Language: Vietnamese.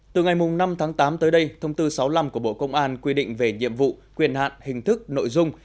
từ ngày năm tháng tám tới đây thông tư sáu mươi năm của bộ công an quy định về nhiệm vụ quyền hạn hình thức nội dung